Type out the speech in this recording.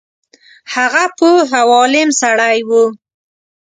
هغه پوه او عالم سړی وو.